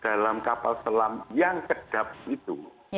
dalam kapal selam yang kedap itu